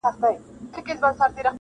ژوند به جهاني پر ورکه لار درڅخه وړی وي -